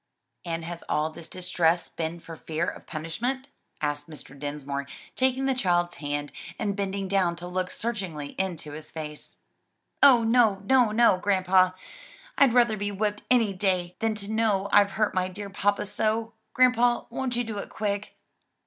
"And has all this distress been for fear of punishment?" asked Mr. Dinsmore, taking the child's hand, and bending down to look searchingly into his face. "Oh no, no, no, grandpa! I'd rather be whipped any day than to know I've hurt my dear papa so. Grandpa, won't you do it quick?"